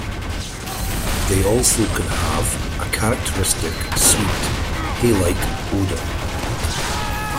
They also can have a characteristic sweet, hay-like odor.